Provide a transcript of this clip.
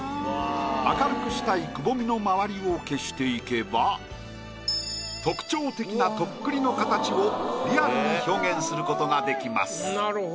明るくしたいくぼみの周りを消していけば特徴的なとっくりの形をリアルに表現することができます。